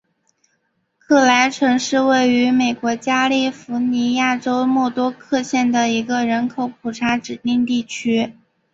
莱克城是位于美国加利福尼亚州莫多克县的一个人口普查指定地区。